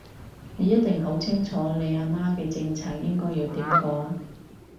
你一定好清楚你阿媽嘅政策應該要點改